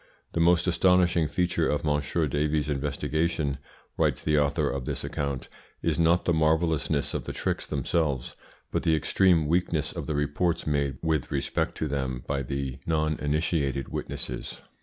"The most astonishing feature of Monsieur Davey's investigation," writes the author of this account, "is not the marvellousness of the tricks themselves, but the extreme weakness of the reports made with respect to them by the noninitiated witnesses.